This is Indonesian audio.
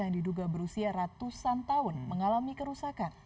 yang diduga berusia ratusan tahun mengalami kerusakan